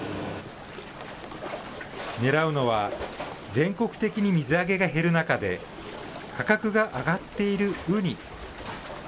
狙うのは、全国的に水揚げが減る中で、価格が上がっているウニ。